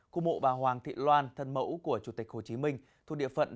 khu mộ bà hoàng thị loan thân mẫu của chủ tịch hồ chí minh thuộc địa phận